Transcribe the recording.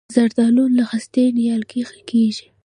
د زردالو له خستې نیالګی کیږي؟